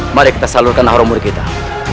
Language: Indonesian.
mari kita seluruhkan orang murid kita